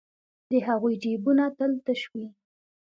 د هغوی جېبونه تل تش وي